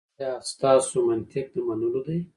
ایا ستاسو منطق د منلو دی؟